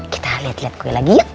kita liat liat kue lagi yuk